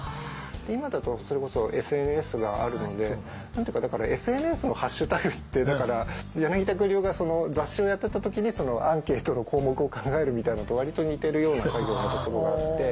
今だとそれこそＳＮＳがあるので何て言うかだからＳＮＳのハッシュタグって柳田国男が雑誌をやってた時にアンケートの項目を考えるみたいなのと割と似てるような作業のところがあって。